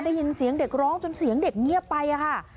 ได้ยินเสียงเด็กร้องจนเสียงเด็กเงียบไปค่ะ